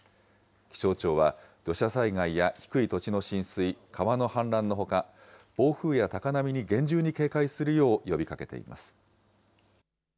気象庁は、土砂災害や低い土地の浸水、川の氾濫のほか、暴風や高波に厳重に警戒するよう呼びかけています。